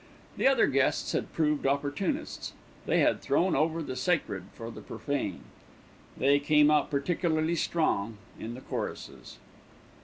The other guests had proved opportunists. They had thrown over the sacred for the profane. They came out particularly strong in the choruses.